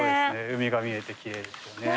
海が見えてきれいですよね。